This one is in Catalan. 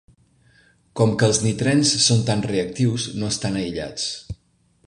Com que els nitrens són tan reactius, no estan aïllats.